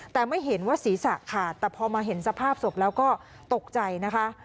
แต่ไม่เห็นว่าศีรษะขาดแต่พอมาเห็นสภาพศพแล้วก็ตกใจนะคะ